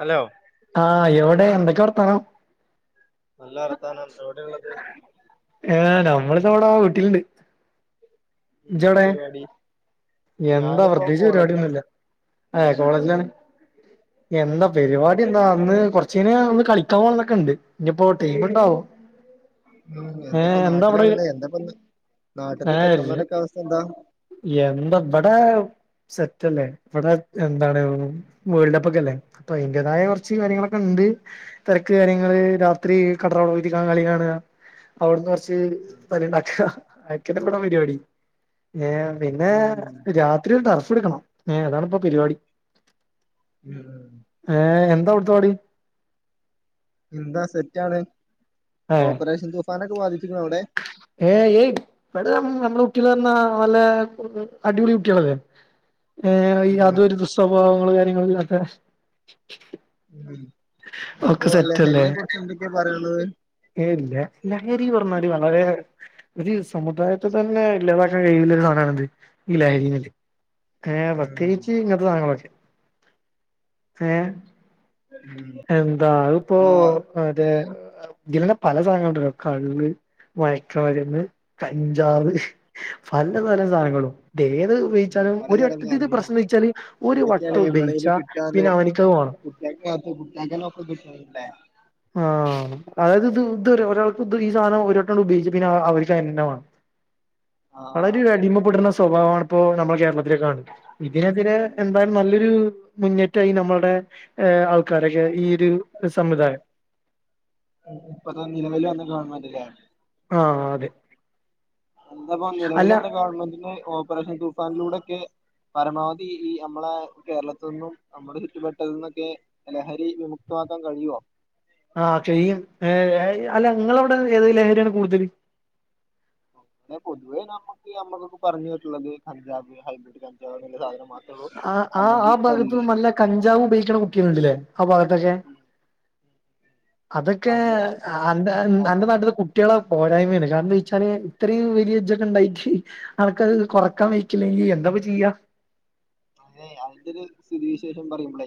Hello ആ എവിടെ എന്തൊക്കെ വർത്തനം. നല്ല വർത്താനം എവിടെള്ളത് ഏ നമ്മളിതെവിടാ വീട്ടിലിണ്ട്. ജ് എന്താ വടേ പരിപാടി എന്താ ഞാനിപ്പോ പ്രത്യേകിച്ച് കോളേജിലാണ് പരിപാടിയൊന്നുംല്ല. ആ കോളേജിലാണ് എന്താ പെരിപാടി എന്താ അന്ന് കൊറ - - ച്ചീനെ ഒന്ന് കളിക്കാൻ പോണോന്നൊക്കെ ഉണ്ട് ഇനിപ്പോ ടൈമ് ഉണ്ടാവോ ഉ എന്താപ്പ നാട്ടിലാണല്ലേ എന്താപ്പന്ന് ആ ര് എന്ത വ്ടെ സെറ്റ് അല്ലേ ഇവിടെ എന്താണ് വേൾഡ് കപ്പ് ഒക്കെല്ലേ അപ്പം എ അതിന്റേതായ കുറച്ച് കാര്യങ്ങളൊക്കെ ണ്ട് തിരക്ക് കാര്യങ്ങള് രാത്രി കടറടെ വീട്ടി കാണുക കളി കാണുക അവിടുന്ന് കുറച്ച് പലണ്ടാക്ക അതക്കെ മ്മടെ പരിപാടി ഏ പിന്നെ ഉം രാത്രി ഒരു ടർഫ് എടുക്കണം ഏ അതാണിപ്പൊ പരിപാടി ഉം [inaudible] തോടി എന്താ സെറ്റ് ആണ് ഏ ഓപ്പറേഷൻ തുഫാനൊക്കെ ബാധി - - ഏ എയ് [unintelligible] നമ്മള് കുട്ടികൾ ന്നാ നല്ല [unintelligible] അടിപൊളി കുട്ടികളല്ലേ. ഏ ഈ ഉം യാതൊരു ദുസ്വഭാവങ്ങളും കാര്യങ്ങളില്ലാത്ത ഉ അപ്പൊ അല്ലെ സെറ്റല്ലേ ഹരിനെ കുറിച്ച് എന്തൊക്കെയാ പറയന്നത്. ഏ ഇല്ല ലഹരി പറഞ്ഞാല് വളരെ ഒരു സമുദായത്തെ തന്നെ ഇല്ലാതാക്കാൻ കഴിയുള്ള ഒരു സാനാണ് ഇത് ഈ ലഹരിന്നത്. ഏർ ഉം പ്രത്യേകിച്ച് ഇങ്ങത്തെ സാധങ്ങളൊക്കെ ഏർ ഉം എന്താ അത് ഇപ്പോ അപ്പൊ മറ്റേ അ ഇതിലന്നെ പല സാധനങ്ങളുണ്ട് കള്ള് മയക്കുമരുന്ന് കഞ്ചാവ് പലതരം സാധനങ്ങളും ഇത് ഏത് ഉപയോഗിച്ചാലും ഒരു പലതരം [unintelligible] സാധനങ്ങളുണ്ട് പ്രശ്നം [unintelligible] ച്ചല് ഒരു വട്ട എന്തൊക്കെയാണ് വിപണിയില് ഉപയോഗിച്ചാ കിട്ടാന്ന് പിന്നെ അവനക്ക്ത് വേണം. കുട്ടികൾക്ക് മാത്രം കുട്ടികൾക്കെല്ലാം ഒപ്പം കിട്ടണല്ലേ ആ അതായത് ഇത് ഇത് ഒ ഒരാൾക്ക് ത് ഈ സാധനം ഒരുട്ട ഉപയോഗിച്ചാ പിന്നെ അ [unintelligible] തന്നെ വേണം. വളരെ ആഹ് അടിമപെടുണ സ് സ്വഭാവമാണ് ഇപ്പോ നമ്മളുടെ കേരളത്തിലേ കാണ ഇതിനെതിരെ എന്തായാലും നല്ലൊരു മുന്നേറ്റമായി നമ്മളുടെ ഹ് ആൾക്കാരൊക്കെ ഈയൊരു സംവിദായം ഇപ്പത്തെ നിലവിൽ വന്ന ഗവൺമെന്റിലാണ് ആ അതെ എന്താപ്പ നിലവിൽ അല്ല വന്ന ഗവൺമെന്റിന് ഓപ്പറേഷൻ തൂഫാനിലൂടെക്കെ പരമാവധി ഈ മ്മളെ കേരളത്തിൽ നിന്നും അമ്മുടെ ചുറ്റുപെട്ടൽ നിന്നൊക്കെ ലഹരി വിമുക്ത - - മാക്കാൻ കഴിയുവോ. ആ ചെയ്യും ഏ ഏ അല്ല നിങ്ങളവിടെ ഏത് ലഹരിയാണ് കൂടുതല് എ പൊതുവേ നമ്മുക്ക് നമ്മക്ക പറഞ്ഞ്കേട്ടുള്ളത് കഞ്ചാവ് ഹൈബ്രിഡ് കഞ്ചാവ് ന്ന സാധനം മാത്ര ആ ആ ആ ഭാഗത്ത്ന്ന് നല്ല കഞ്ചാവ് ഉപയോഗിക്കണ കുട്ടികൾ ണ്ട് ല്ലേ ആ ഭാഗത്തക്കെ അതൊക്കെ അങ്ങനെ അ അന്റെ അത് അന്റെ നാട്ടിലെ കുട്ടികള് പോരായ്മയാണ് കാരണം ച്ചാല് ഇത്രയും വലിയ [unintelligible] ഉണ്ടായിക്ക് അവർക്കത് കൊറക്കാൻ [unintelligible] ല്ലെങ്കിൽ - - ന്താപ്പ ചെയ്യ അതെ അതിന്റെ ഒരു സ്ഥിതി വിശേഷം പറയുമ്പോളേ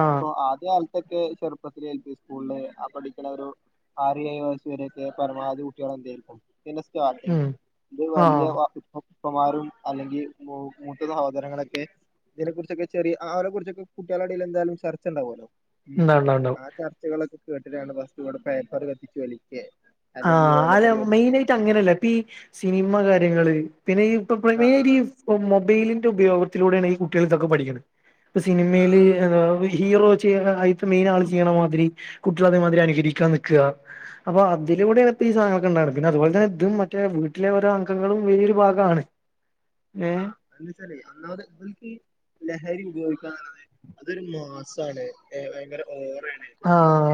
ആഹ് ഇപ്പൊ ആദ്യകാലത്തൊക്കെ ചെറുപ്പ എൽ പി സ്കൂളില് ആ പഠിക്കണ ഒരു ആറ് ഏഴ് വയസ് വരെയൊക്കെ പരമാവധി കുട്ടികൾ എന്തായിരിക്കും. ത് ന്നെ സ്റ്റാർട്ടിങ്ങ് ഉം ഇത് രു ആഹ് വലിയ വാ ഇപ്പം പ്പമാരും അല്ലെങ്കിൽ കൂട്ട് സഹോദരങ്ങളെ കെ ഇതിനെ കുറിച്ചൊക്കെ ചെറിയ ആ ആരെ കുറിച്ചൊക്കെ കുട്ടികളിടയിൽ എന്താലും ചർച്ച ഉണ്ടാവുല്ലോ. ഉം ഉണ്ടാവും ഉണ്ടാവും ഉണ്ടാവും ആ ചർച്ചകളൊക്കെ കേട്ടിട്ടാണ് ഫസ്റ്റ് ഇവിടെ പേപ്പർ കത്തിച്ചു വലിക്കേ അല്ലെങ്കിൽ ആഹ് ആതെ ഓലക്കൊടി വലിക്കേ മെയിനായിട്ട് അങ്ങനെല്ല പ്പീ സിനിമ കാര്യങ്ങള് പിന്നെ ഈ ഇപ്പ ആ ആ [unintelligible] ഈ മൊബൈലിന്റെ ഉപയോഗത്തിലൂടെയാണ് ഈ കുട്ടികൾ ഇതൊകെ പഠിക്കുന്നത് ഇപ ആ ആ സിനിമയില് എ [unintelligible] ഹീറോ ചെയ്യ അയിത്ത മെയിൻ ആള് ചെയ്യണ മാതിരി കുട്ടികൾ അതേമാതിരി അനുകരിക്കാൻ നിക്കുക അപ്പൊ ആ ഇതിലൂടെ ഇ ഈ സാധങ്ങളൊക്കെ ഉണ്ടാണ് പിന്നെ അതുപോലെ തന്നെ ഇതും മറ്റേ വീട്ടിലെ ഓരോ അംഗങ്ങളും വലിയൊരു ഭാഗമാണ് ഏഹ് ആഹ് അതെന്തച്ചാലെ ഒന്നാമത് ഇതിൽക്ക് ലഹരി ഉപയോഗി അതൊരു മാസാണ് എ ഭയങ്കര ഓ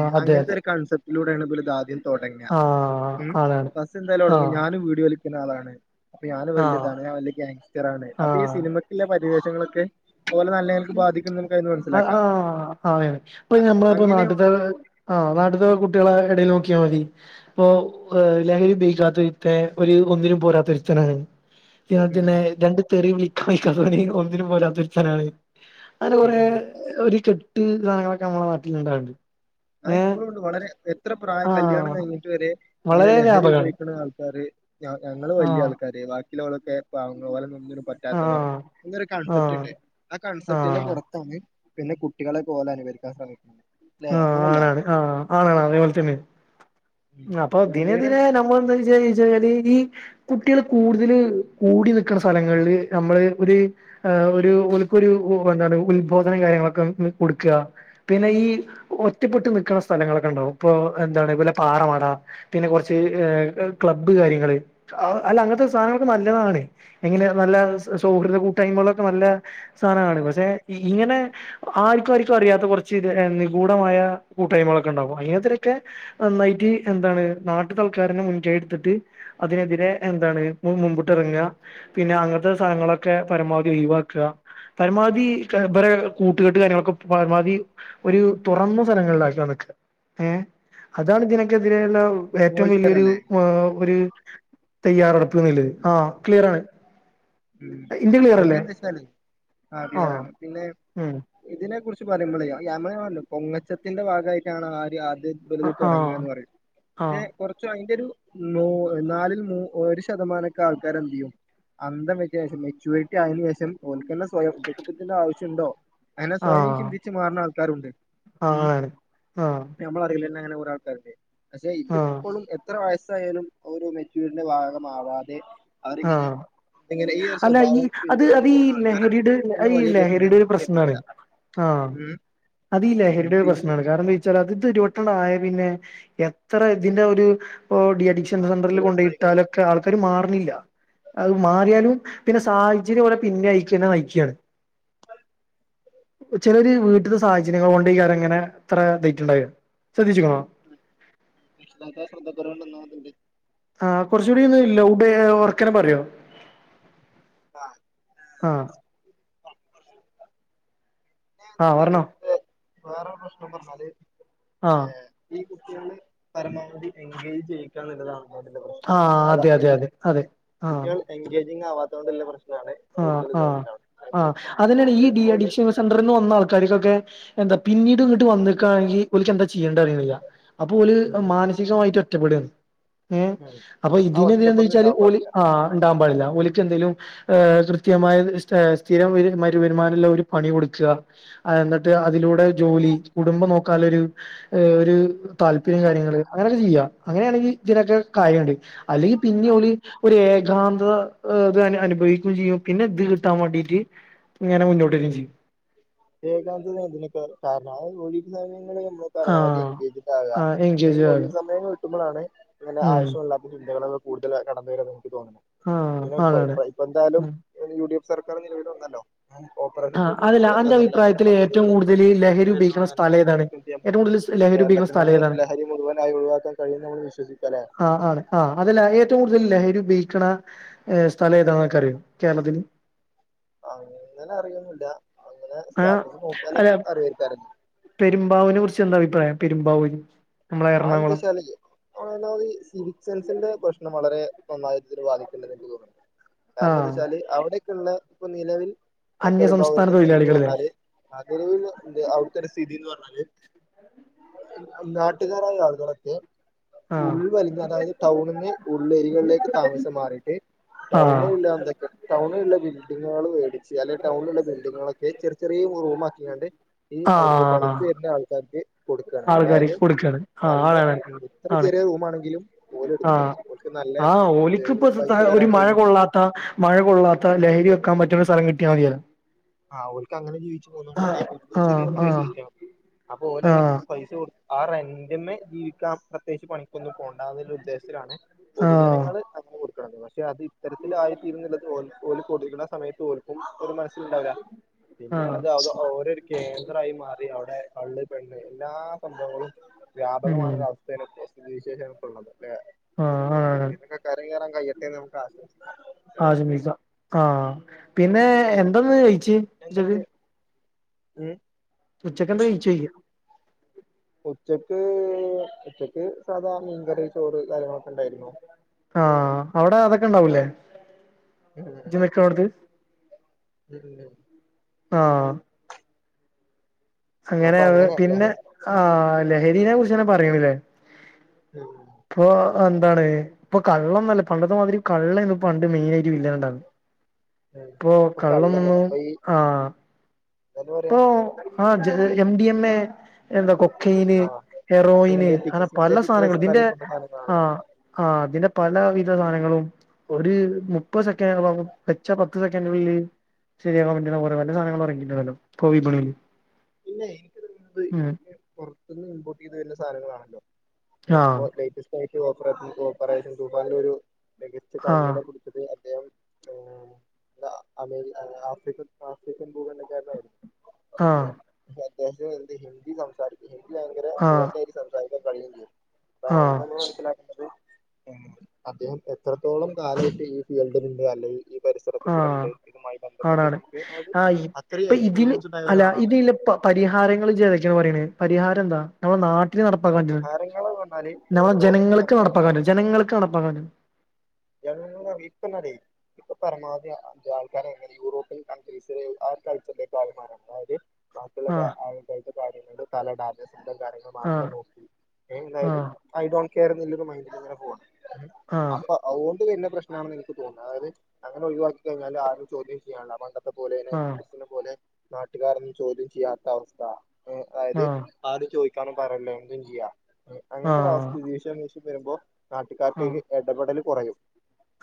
എ അതെ അങ്ങൻത്തെ അതെ ഒരു കൺസെപ്റ്റിലൂടെണ് ഇബല് ഇദാദ്യം തുടങ്ങുക ആഹ് ഉം ആണാണ് ബസ് എന്തായാലുംടങ്ങി ആഹ് ഞാനും വീഡി വലി [unintelligible] അപ്പൊ ഞാന് ആഹ് വല്യാണ് ഞാൻ വലിയ ഗാങ്സ്റ്റർ ആണ് അപ്പൊ ഈ ആഹ് സിനിമക്ക പരിവേശങ്ങളൊക്കെ ആ [unintelligible] ഇപ്പൊ നമ്മള് അങ്ങനെ നാട്ടിൽ ആ നാട്ടി [unintelligible] കുട്ടികള ഇടയിൽ നോക്കി ക്ക്യ മതി. ഇപ്പൊഎ ലഹരി ഉപയൊഗിക്കാത്തരുത്ത ഒരു ഒന്നിനും പോരാത്ത ഒരുത്തനാണ് ഉം [unintelligible] രണ്ട് തെറി വിളിക്കാൻ [unintelligible] ഒന്നിനും പൊലാ ത്തൊരുത്തനാണ് അങ്ങനെ ഉം കൊറെ ഉം. ഒരു കെട്ട് സധനങ്ങളൊക്കെ നമ്മളെ നാട്ടിൽ ഉണ്ടാവലിണ്ട് ആ ഇപ്പോഴും ഉണ്ട് വളരെ എത്ര പ്രായം കല്യാണം ആഹ് കഴിഞ്ഞിട്ട് വരെ അങ്ങനെ വളരെ ലഹരി വ്യാപകാണ് ഉപയോഗിക്കുന്ന ആൾക്കാര് ഞങ്ങള് വലിയ ആഹ് ആൾക്കാര് ബാക് ഓലൊക്കെ പാവങ്ങളാ ഓലോന്നും പറ്റാത്തവർ ആഹ് [unintelligible] രു കൺസെപ്റ്റ് ആഹ് ഉണ്ട് ആ കൺസെപ്റ്റന്റെ ആഹ് പുറത്താണ് പിന്നെ കുട്ടികളെ പോല [unintelligible] ശ്രമിക്കണ്ട് അല്ലേ ആണ് ആ ആ അതേപോലെ തന്നെ ഉം അപ്പൊ തീരേ പിന്നീട് തീരേ നമ്മള എന്താച്ച ല് [unintelligible] ഈ കുട്ടികൾ കൂടുതൽ കൂടി നിൽക്കുന്ന സ്ഥലങ്ങളില് നമ്മള് ഒരു എ ഒരു ഒല്ക്കൊരു ഒ വ് എന്താണ് ഉത്ബോധന കാര്യങ്ങളൊക്കെ കൊടുക്ക പിന്നെ ഈ ഒറ്റപ്പെട്ട് നൽക്കുന്ന സ്ഥലങ്ങളൊക്കെ ഉണ്ടാവും ഇപ്പൊ എന്താണ് ഇതുപോലെ പാറമട പിന്നെ കുറച്ച് ക്ലബ്ബ് കാര്യങ്ങള് അല്ല അങ്ങനത്തെ സാധനങ്ങളൊക്കെ നല്ലതാണ് എങ്ങനെ നല്ല സൗഹൃദ കൂട്ടായ്മകളൊക്കെ നല്ല സാധനമാണ് പക്ഷെ ഇങ്ങനെ ആരിക്കും ആരിക്കും അറിയാത്ത കുറച്ച് ഇത് [unintelligible] ഗൂഢമായ കൂട്ടായ്മകളൊക്കെ ഉണ്ടാവും അ [unintelligible] തൊക്കെ നന്നായിട്ട് എന്താണ് നാട്ടില്താള്ക്കാരന മുൻ കൈ [unintelligible] അതിനെതിരെ എന്താണ് മുമ്പിട്ട് ഇറങ്ങ പിന്നെ അങ്ങനത്തെ സ്ഥലങ്ങളൊക്കെ പരമാ [unintelligible] ഒഴിവാക്കുക പരമാവധി ഇവരെ കൂട്ടുകെട്ട് കാര്യങ്ങളൊക്കെ പരമാവധി ഒരു തുറന്ന സ്ഥലങ്ങളി [unintelligible] ഏ അതാണ് ഇതിനക്കെതിരെയുള്ള ഏറ്റവും വലിയരു മോശിക്കാരല്ലേ ഒരു തയ്യാറെടുപ്പുള്ളത് ആ ക്ലിയർ ആണ് ഉം ഇന്റെ ക്ലിയർ അല്ലേ പിന്നെന്താ വെച്ചാല് ആ ക്ലിയറാണ് പിന്നെ ഉം ഇതിനെക്കുറി പറയുമ്പോളെയാ [unintelligible] പൊങ്ങച്ചത്തിന്റെ ഭാഗയിട്ടാണ് ആര് എ ആ വെറുതെ ആ തൊടങ്ങ ന്ന് പറയും. ആ ക്ഷെ കൊർച്ചു അയിന്റെ രു മൂ നാലിൽ മൂ ഒരു ശതമാനൊക്കെ ആൾക്കാരെ എന്ത് ചെയ്യും അന്ത മെചുരിറ്റി ആയതിന് ശേഷം ഓല്ക്കന്നെ സ്വയം [unintelligible] ക്കത്തിന്റെ ആവശ്യമുണ്ടോ അങ്ങനെ ആ സ്വയം ചിന്തിച്ചു മാറുന്ന ആൾക്കാരുണ്ട് ആ ഉം ആണ് ആ നമ്മളറിവല്ലനെ [unintelligible] പക്ഷെ ആ ഇതപ്പോഴും എത്ര വയസ് ത്തായാലും ഓരോ മെച്ചൂരിന്റെ ഭാഗമാവാതെ ആ അവരിങ്ങനെ ഇങ്ങനെ ഈ ഒരു അല്ല ഈ സ്വഭാവം അത് അത് പിന്തുടർന്ന് ഈ പോകുന്ന ആൾക്കാരാണ് ലഹരിയുടെ ഇങ്ങനെ ഈ വലിയ ലഹരിയുടെ ഒരു ദുരന്തങ്ങൾക്ക് പ്രശ്നാണ് എത്തിപ്പെടുക. ആഹ് ഉം അത് ഈ ഉം ലഹരിയുടെ ഒരു പിന്നെ പ്രശ്നമാണ് കാരണം എന്താ വച്ചാൽ അത് [unintelligible] ആയ പിന്നെ എത്ര ഇതിന്റെ ഒരു ഇപ്പൊ ഡി അഡിക്ഷൻ ആഹ് സെന്ററിൽ കൊണ്ട് ഓരോരുത്തരായി കഴിഞ്ഞാൽ ഇട്ടാലൊക്കെ ആൾക്കാര് മാറുന്നില്ല അത് മാറിയാലും പിന്നെ സാഹചര്യം പോലെ പിന്നെ അയിക്കന്നെ നയിക്ക്യാണ് ചിലര് വീട്ടിത് സാഹചര്യങ്ങൾ കൊണ്ട് ഈ അത് അങ്ങനെ അത്ര [unintelligible] ണ്ടായ [unintelligible] കുറച്ചുടി ഒന്നും ഇല്ല [unintelligible] ഉറക്കനെ പറയോ ആ ആഹ് [unintelligible] ആ പറഞ്ഞോ വേറെ പ്രശ്നം പറഞ്ഞാല് ആഹ് പിന്നേ കുട്ടികളില് പരമാവധി എൻഗേജ് ചെയ്യിക്കാന്നുള്ളതാണ്. പ്രശ്ന ആഹ് അല്ല അതെ ഈ അതെ അതെ അതെ കുട്ട്യേള് എൻഗേജിങ് ആവാതോണ്ട്ള്ള പ്രശ്നം ആ ആ ആ അതെന്നാണ് ഈ ഓല് ഡി ഓല് അഡിക്ഷൻ സെന്റർന്ന് വന്ന ആൾക്കാർക്കൊക്കെ എന്താ പിന്നീട് ഇങ്ങട്ട് വന്ന്ക്കാണെങ്കി ഓല്ക്ക് എന്താ ചിയ്യ്ണ്ട്ന്നറീണില്ല. അപ്പൊ ഓല് ഉം, മാനസികമായിട്ട് ഒറ്റപ്പെടാണ് ഉം. അപ്പൊ ആ ഇതിനെതന്ത ഒറ്റപ്പെടൽ വെച്ചാല് ഉണ്ടാവാൻ ഓല് പാടില്ല. ആ ഇണ്ടാകാൻ പാടില്ല ഓല്ക്ക് എന്തേലും ഏ കൃത്യമായ സ്ഥിരം വര് വരുമാനുള്ള ഒരു പണി കൊട്ക്ക എന്നിട്ട് അതിലൂ ടെ ജോലി കുടുംബം നോക്കാൻള്ളൊരു ഒരു താല്പര്യം കാര്യങ്ങള് അങ്ങനെയൊക്കെ ചെയ്യ അങ്ങനെയാണെങ്കി ഇതിനൊക്കെ കാര്യണ്ട് അല്ലെങ്കി പിന്നേം ഓല് ഒരു ഏകാന്തത ഇത് അനുഭവി ചെയും പിന്നെ ഇത് കിട്ടാൻ വേണ്ടിട്ട് ഇങ്ങനെ മുന്നോട്ട് വരികയും ഉം ചെയ്യും ഏകാന്തത ഇതിനൊക്കെ കാരണം അത് ജോലിയും കാര്യങ്ങള് ഇന്ന് ആ പരമാവധി എൻഗേജ്ഡ് ആക ആ എൻഗേജ് ഒരൊഴിവ് ആകും സമയം കിട്ടുമ്പോഴാണ് ഇങ്ങനെ ഉം ആവശ്യമില്ലാത്ത ചിന്തകളൊക്കെ കൂടുതല് കടന്നുവരാൻ തൊടങ്ങണത് ആ തോന്നണുപിന്നെ അതാണ് ഇ ഇപ്പ അതാണ് ഇപ്പ എന്തായാലും യു ഡി എഫ് സർക്കാർ നിലവിൽ വന്നല്ലോ ഓപ്പറേഷൻ ആ തൂഫാൻ അതല്ല പോലത്തെ അന്റെ നല്ല നല്ല അഭിപ്രായത്തില് ഏറ്റവും പദ്ധതികള് കൂടുതല് ലഹരി ഉപയോഗിക്കുന്ന കൊണ്ടുവരുന്നോണ്ട് തന്നെ സ്ഥലം ഏതാണ് നമുക്ക് എന്ത് ചെയ്യാൻ ഏറ്റവും പറ്റും കൂടുതല് ലഹ കേരളത്തിൽ നിന്ന് ലഹരി മുഴുവനായി ഒഴിവാക്കാൻ കഴിയുംന്നുള്ളത് വിശ്വസിക്കുന്നു. ആ ആണ് ആ അതല്ല ഏറ്റവും കൂടുതല് ലഹരി ഉപയോഗിക്കണ ഏ സ്ഥലം ഏതാന്നൊക്കെ ക അറിയോ കേരളത്തില്? അങ്ങനെ അറിയൊന്നുല്ല അങ്ങനെ ആ സ്റ്റാറ്റസ് അല്ല നോക്കാനൊക്കെ അറിയായിരിക്കാരല്ലോ പെരുമ്പാവിനെ കുറിച്ച് എന്താ അഭി പ്രായം പെരുമ്പാവൂര് നമ്മളെ എറണാകുളം അതെന്താച്ചാലേ ഓലെ ഈ സിവിക് സെൻസിന്റെ പ്രശ്നം വളരെ നന്നായി ഇതില് ബാധിക്ക്ണ്ട്ന്നാ ഇൻക്ക് തോന്നുന്നുണ്ട് ന്ന്. കാരണം ആഹ് എന്താച്ചാല് അവിടെയൊക്കെയുള്ള ഇപ്പൊ നിലവിൽ അന്യ സംസ്ഥാന പെരുമ്പാവൂര്ത്തൊരു സ്തിഥിന്ന് തൊഴിലാളികളില്ലേ പറഞ്ഞാല് അതൊരു അവർക്കൊരു സ്ഥിതിന്ന് പറഞ്ഞാല് നാട്ടുകാരായ ആളുകളൊക്കെ ആഹ് ഉൾവലിഞ്ഞുന്ന് പറഞ്ഞാല് അതായത് ടൗണിന്ന് ഉള്ള് ഏരിയകളിലേക്ക് താമസം മാറിട്ട് ആഹ് ടൗണല്ല എന്തൊക്കെ ടൗൺ ഇപ്പള്ളെ ബിൽഡിങ്ങേള് വേടിച്ച് അല്ലെ ടൗണിലുള്ള ബിൽഡിങ്ങേളൊക്കെ ചെറി ചെറ്യേ റൂമാക്കിങ്ങാണ്ട് ഈ അവർക്ക് ആഹ് പണിക്ക് വരുന്ന ആൾക്കാർക്ക് കൊടുക്കാണ് ആൾക്കാര് അതായത്- കൊടുക്കാണ് ആഹ് നല്ല ആണ് എത്ര ആണ് ചെറിയ റൂമാണെങ്കിലും ഓലെടുക്കും ആഹ് ഓല്ക്- ആഹ് ഓല്ക്ക് ഇപ്പ ഒരു മഴ ചെയ്യും. കൊള്ളാത്ത മഴ കൊള്ളാത്ത ലഹരി വെക്കാൻ പറ്റു - സ്ഥലം കിട്ടിയാ മതിയാ ആഹ് ഓല്ക്ക് അങ്ങനെ ജീവിച്ചു പോണംന്നുണ്ടേ ഓല്ക് ചെറിയ ആഹ് പ്ലേസ് ആഹ് കിട്ടിയാ മതി അപ്പൊ ഓല കൈയി ആഹ് പൈസ കൊട്- ആഹ് റെന്റിന്മേ ജീവിക്കാൻ പ്രതേകിച്ച് പണിക്കൊന്നും പോണ്ടാന്ന് ഉദ്ദേശത്തിലാണ് ആഹ് പൊതുജനങ്ങള് അങ്ങ് കൊടക്കണത് പക്ഷെ അത് ഇത്തരത്തിലായി തീരുന്നള്ളത് ഓലെ- ഓല് കൊടുക്ക്ണ സമയത്ത് ഓൽക്കും ഒന്നും മനസ്സിലുണ്ടാവൂല ആഹ് പിന്നെയാണത് [unintelligible] കേന്ദ്രായി മാറി അവിടെ കള്ള് പെണ്ണ് എല്ലാ സംഭവങ്ങളും- ഉം വ്യാപകമാവുന്നൊരവസ്ഥ ഇപ്പൊ സ്ഥിതിവിശേങ്ങക്കുള്ളത് ആഹ് ആണ് ഇതിന്നൊക്കെ കര കയറാൻ കഴിയട്ടെന്ന് നമുക്ക് ആശംസിക്കാം ആശംസിക്ക ആ പിന്നെ എന്താ ഇന്ന് കയിച്ച് ഉച്ചക്ക് ഏയ് ഉച്ചക്കെന്താ കഴിചേ ചോയ്ക ഉച്ചക്ക് ഉച്ചക്ക് സാധാ മീൻകറി ചോറ് കാര്യങ്ങളൊക്കെ ഇണ്ടായിരുന്നു. ആഹ് അവടെ അതൊക്കെണ്ടാവുംലെ ഇജ് നിക്ക്ണോട്ത്ത് പിന്നെ ആഹ് അപ്പൊ അങ്ങനെത് അങ്ങനെ പിന്നെ ലഹരി ആ ലഹരിനെ കുറിച്ച്ന്നെ പറയണില്ലേ ഉം ഇപ്പൊ എന്താണ് ഇപ്പൊ കള്ളന്നല്ല പണ്ടത്തെ മാതിരി കള്ള ഇന്ന് പണ്ട് മെയിൻ ആയിട്ട് ഇല്ലാണ്ടാണ് ഉം ഇപ്പൊ കള്ളോന്നും കള്ളൊന്നല്ല ഇപ്പൊ ഈ ആഹ എന്താ പറയാ ആ എം ഡി എം എ എന്താ കൊക്കയിന് ആഹ് ഹെറോയിന് സിന്തറ്റിക് അങ്ങനെ പല സിന്തറ്റിക് ഡ്രസ്സ് സാധനങ്ങളും ഇതിന്റെ എന്നറിയപ്പെട്ട സാധനങ്ങളാണല്ലോ ആഹ ആ് അതിന്റെ പല വി സങ്ങളും ഒരു മുപ്പ സെക്കഡ വെച്ച പത്ത് സെക്കൻഡുകളില് ശരിയാകൻറെ വല്ല സധനങ്ങൾ ഉറങ്ങിണ്ടല്ല ഇ വിപണയില് പിന്നെ എനിക്ക് തോന്നുന്നത് ഇതൊക്കെ പുറത്തുന്ന് ഇമ്പോർട്ട് ചെയ്ത് വരുന്ന സാധനങ്ങളാണല്ലോ ഇ ആ ലേറ്റസ്റ്റ് ആയിട്ട് ഓപ്പറേഷൻ തൂഫാനില ഒരു മികച്ച ആ കണ്ണീനെ പിടിച്ചത് അത് മ്മ് പിന്നെ ദി അമേരി ആഫ്രിക്കൻ അം ആ ഹിന്ദി സംസാരിക്ക ഹിന്ദി ഭയങ്കര ആ ബോൾഡ് ആയി സംസാരിക്കാൻ കഴിയെം ചെയ്യും ആ പിന്നെ ഒന്ന് മനസില അദ്ദേഹം എത്രത്തോളം കാലമായിട്ട് ഈ ഫീൽഡിലുണ്ട് അല്ലെങ്കിൽ ഈ പരിസരത്തിൽ കൂടെ ആഹ ഉണ്ട് ഇതുമായി ബന്ധപ്പെട്ട് ആണാണ് നമുക്ക് അതായത് ആ അത്രയും ഇപ്പ ഇതിന് എക്സ്പീരിയൻസ് ഉണ്ടായ അല്ല ഒരാളാണ് ഇതിലപ്പം പരിഹാരങ്ങൾ ജേതക്കന്ന് പറയെ പരിഹാരം എന്താ നമ്മുടെ നാട്ട ഒത്തിരി നടപ്പണ്ട ഹരിഹരങ്ങള് പറഞ്ഞാല് നമ്മ ഒന്നാമതായിട്ട് ജനങ്ങൾക്ക് നമ്മളെ നടപ്പാക്കാണ്ട ജനങ്ങൾക്ക് നടപ്പാക്കാണ്ട ഇപ്പ ഇപ്പ പരമാവധി ആൾക്കാര യൂറോപ്യൻ കൺട്രീസിലു കളിച്ചിമാന അതായത് ബാക്കുള്ള ആഹ് കള കാര്യ തലട ന്ത കാര്യ ആഹ് മാത്രം നോക്കിയ എന്തായാലും ആഹ് ഐ ഡോണ്ട് കെയർ എന്ന മൈൻടിൽ ഇങ്ങനെ പോണ് ആഹ അതൊണ്ട് തന്ന പ്രശ്നണെന്ന് എനിക്ക് തോന്ന അതത് അങ്ങനെ ഒഴിവാക്ക കഴിഞ്ഞാ ആരും ചോത്യം ചെയ്യ അ പോലെ ആഹ് പോലെ നാട്ടുകാരൊന്നും ചോദ്യം ചെയ്യാത്ത അവസ്ഥ അതായത് ആഹ് ആരും ചോദിക്കാനും പറയല്ലോ എന്തും ചെയ്യാ അങ്ങനത്തെ ഒരു ആഹ് അവസ്ഥിതി വിശേ വരുമ്പോൾ നാട്ടുകാർക്ക് ആഹ് ഇടപെടൽ കുറയും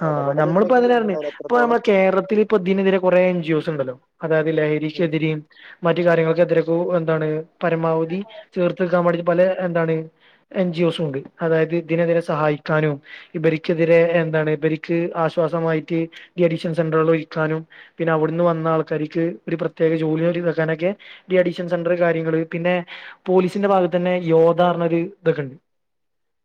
ആഹ് നമ്മളിപ്പോ ഇടപെടലുണ്ടെങ്കി അതിന എന്തുണ്ടാവില്ല ഇപ്പ നമ്മെ എത്രത്തോളം കേരളത്തിൽ ഇപ്പൊ ഇതിനെതിരെ കൊറെ എൻ ജിോസ് ഉണ്ടല്ലോ അതായത് ഉം ലഹരിക്കെതിരയും മറ്റു കാര്യങ്ങൾക്കെതിരക്കെ എന്താണ് പരമാവധി ചീർത്തെടുക്കാൻ വേണ്ടിയിട്ട് പല എന്താണ് എൻ ജിോസ് ഉണ്ട് അതായത് ഇതിനെതിരെ സഹായിക്കാനും ഇവരിക്കെതിരെ എന്താണ് ക്ക് ആശ്വാസമായിട്ട് ഡി അഡീഷൻ സെന്ററിൽഴിക്കാനും പിന്നെ അവിടുന്ന് വന്ന ആൾക്കാർക്ക് പ്രത്യേക ജോലിക്കാനൊക്കെ ഡി അഡീഷൻ സെന്റർ കാര്യങ്ങള് പിന്നെ പോലീസിന്റെ ഭാഗത്തുന്ന് യോഗ ഇതൊക്കെണ്ട്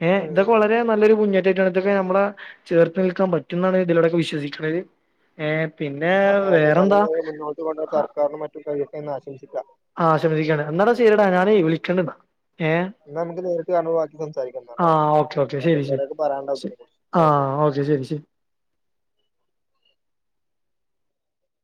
ഏ ഇതൊക്കെ ഉം വളരെ നല്ലൊരു മുന്നേറ്റട്ടാണ് ഇതൊക്കെ നമ്മള ചർ നിൽക്കാൻ പറ്റുംമെന്നാണ് ഇതിലൂടെൊക്കെ വിശ്വസിക്കണുന്നത് അതൊക്കെ നല്ല നിലയെ മുന്നോട്ട് കൊണ്ട സർക്കാരിനന് മറ്റും കഴിയട്ടെന്ന് ആശംസിക്ക ആശംസിക്കയാണ് എന്നാടാ ശെരിടാ ഞാന വിളിക്കണ്ടാ ഏ എന്നാ നമുക്ക് നേരിട്ട് കാണുമ്പോ ബാക്കി സംസാരിക്കാം എന്നാട്ടോ. ആഹ ഓക്കെ ഓക്കെ ശരി എന്തായാലും കൊറേയൊക്കെ പറയാനുണ്ടാവും ശരി ഇതിനെ കുറിച്ച്. എന്നാ ആഹ ഓക്കെ ശരി ശരി [inaudible]